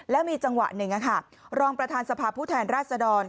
แล้วมีจังหวะหนึ่งรองประธานสภาพผู้แทนราชดร